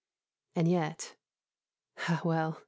And yet Ah well!